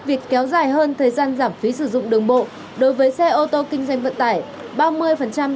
việc kéo dài hơn thời gian giảm phí sử dụng đường bộ đối với xe ô tô kinh doanh vận tải